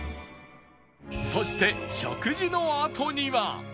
そして食事のあとには